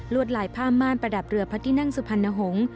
ลายผ้าม่านประดับเรือพระที่นั่งสุพรรณหงษ์